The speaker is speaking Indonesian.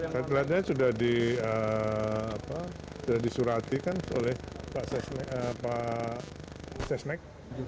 satu satunya sudah disuratikan oleh pak sesnek